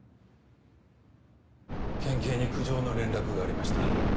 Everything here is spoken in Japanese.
県警に苦情の連絡がありました。